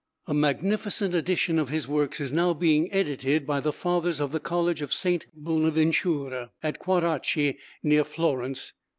A magnificent edition of his works is now being edited by the fathers of the College of St. Bonaventura, at Quaracchi, near Florence (1882